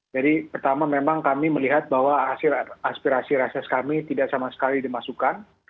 jadi pertama memang kami melihat bahwa aspirasi rases kami tidak sama sekali dimasukkan